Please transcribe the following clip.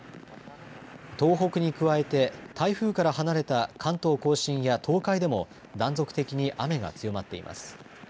東北に加えて台風から離れた関東甲信や東海でも断続的に雨が強まっています。